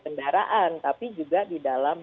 kendaraan tapi juga di dalam